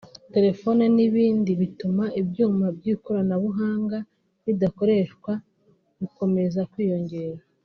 telefoni n’ibindi bituma ibyuma by’ikoranabuhanga bidakoreshwa bikomeza kwiyongera